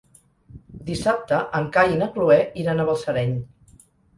Dissabte en Cai i na Cloè iran a Balsareny.